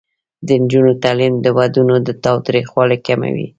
د نجونو تعلیم د ودونو تاوتریخوالی کموي.